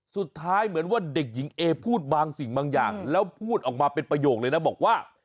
เหมือนว่าเด็กหญิงเอพูดบางสิ่งบางอย่างแล้วพูดออกมาเป็นประโยคเลยนะบอกว่า